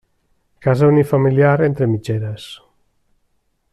Casa unifamiliar entre mitgeres.